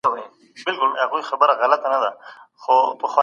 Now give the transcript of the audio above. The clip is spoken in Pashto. ټولنیزه بیا کتنه دوهم مهم لامل دی.